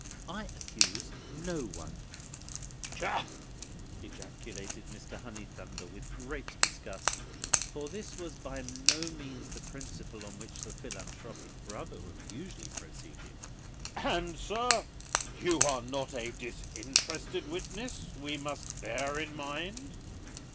I accuse no one." "Tcha!" ejaculated Mr. Honeythunder with great disgust; for this was by no means the principle on which the Philanthropic Brotherhood usually proceeded. "And, sir, you are not a disinterested witness, we must bear in mind."